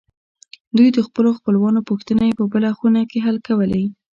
دوی د خپلو خپلوانو پوښتنې په بله خونه کې حل کولې